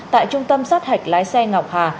tại trung tâm sát hạch lái xe ngọc hà